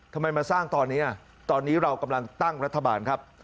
ทำไมมาสร้างตอนนี้ตอนนี้เรากำลังตั้งรัฐบาลครับ